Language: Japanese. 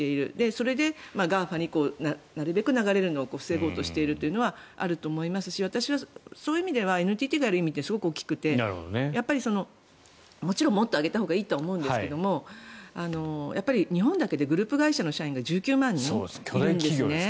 それで、ＧＡＦＡになるべく流れるのを防ごうとしているのはあると思いますし私はそういう意味ではＮＴＴがやる意味ってすごく大きくてもちろんもっと上げたほうがいいと思うんですが日本だけでグループ会社の社員が１９万人いるんですね。